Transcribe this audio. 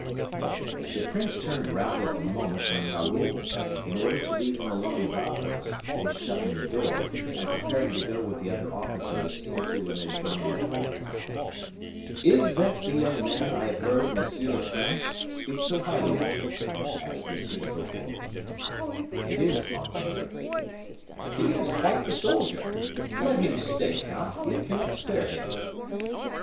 The prince turned round at the moment when Raoul, in order to leave him alone with Athos, was shutting the door, and preparing to go with the other officers into an adjoining apartment. "Is that the young man I have heard M. le Prince speak so highly of?" asked M. de Beaufort. "It is, monseigneur." "He is quite the soldier; let him stay, count, we cannot spare him."